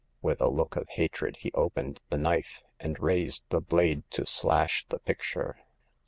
With a look of hatred he opened the knife, and raised the blade to slash the picture.